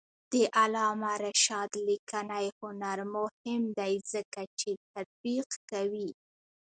د علامه رشاد لیکنی هنر مهم دی ځکه چې تطبیق کوي.